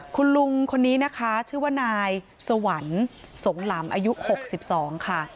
คุณลุงคนนี้นะคะชื่อว่านายสวรรค์สงหลำอายุ๖๒ค่ะ